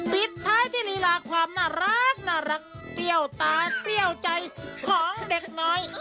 ปิดท้ายที่ลีลาความน่ารักเปรี้ยวตาเปรี้ยวใจของเด็กน้อย